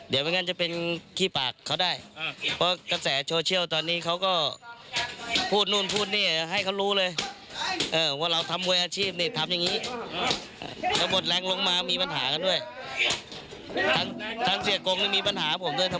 อดีตเคยเป็นดาราภูทรด้วยในนามของแท็กซี่น้อย